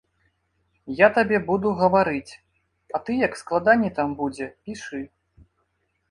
Я табе буду гаварыць, а ты як складней там будзе пішы.